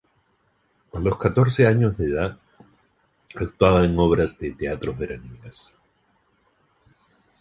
A los catorce años de edad actuaba en obras de teatro veraniegas.